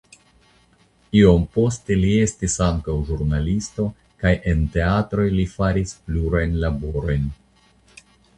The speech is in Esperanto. Iom poste li estis ankaŭ ĵurnalisto kaj en teatroj li faris plurajn laborojn.